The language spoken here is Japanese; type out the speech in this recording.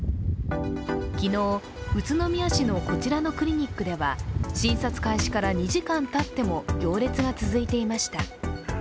昨日、宇都宮市のこちらのクリニックでは、診察開始から２時間たっても行列が続いていました。